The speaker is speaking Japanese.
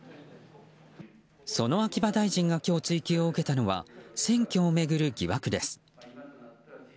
その秋葉大臣が今日追及を受けたのは選挙を巡る疑惑です。